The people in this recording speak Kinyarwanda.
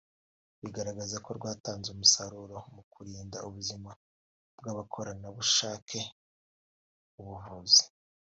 bigaragaza ko rwatanze umusaruro mu kurinda ubuzima bw’abakorerabushake mu buvuzi